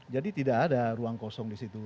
jadi tidak ada ruang kosong di situ